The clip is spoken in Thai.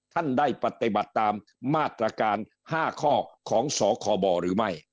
ท่านได้ปฏิบัติตามมาตรการ๕ข้อของสคบหรือไม่